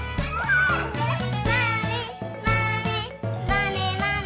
「まねまねまねまね」